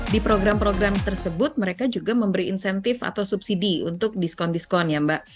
di program program tersebut mereka juga memberi insentif atau subsidi untuk diskon diskon ya mbak